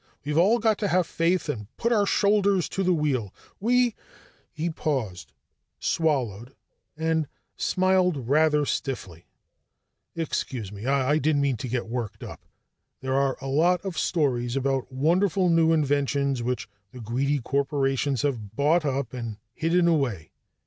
"We've all got to have faith and put our shoulders to the wheel. We " He paused, swallowed, and smiled rather stiffly. "Excuse me. I didn't mean to get worked up. There are a lot of stories about wonderful new inventions which the greedy corporations have bought up and hidden away.